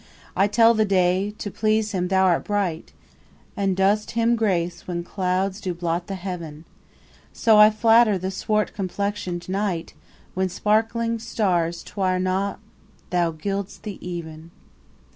I tell the day, to please him thou art bright, And dost him grace when clouds do blot the heaven: So flatter I the swart complexion'd night, When sparkling stars twire not thou gild'st the even.